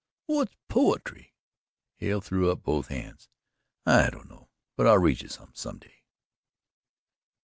"Whut's po e try?" Hale threw up both hands. "I don't know, but I'll read you some some day."